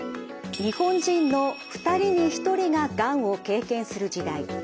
日本人の２人に１人ががんを経験する時代。